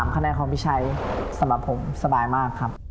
คะแนนของพี่ชัยสำหรับผมสบายมากครับ